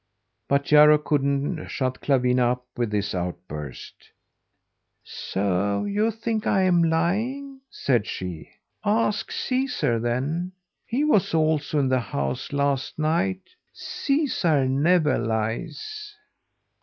But Jarro couldn't shut Clawina up with this outburst. "So you think I'm lying," said she. "Ask Caesar, then! He was also in the house last night. Caesar never lies."